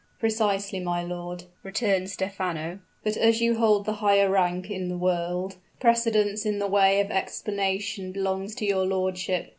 "Precisely, my lord," returned Stephano. "But as you hold the higher rank in the world, precedence in the way of explanation belongs to your lordship."